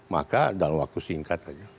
maka dalam waktu singkat saja